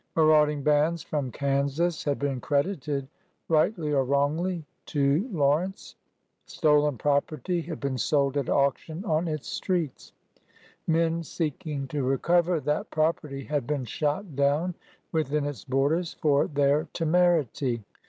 Marauding bands from Kansas had been credited, rightly or wrongly, to Lawrence. Stolen property had been sold at auction on its streets. Men seeking to recover that property had been shot down within its borders for their temerity.